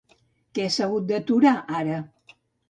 Què s'ha hagut d'aturar ara?